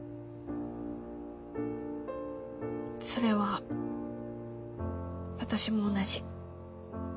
それは私も同じ。